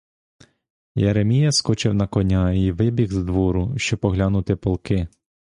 Єремія скочив на коня й вибіг з двору, щоб оглянути полки.